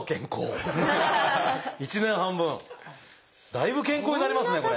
だいぶ健康になりますねこれ。